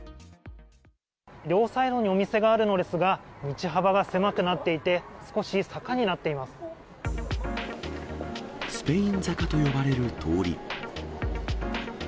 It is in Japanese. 両サイドにお店があるのですが、道幅が狭くなっていて、スペイン坂と呼ばれる通り。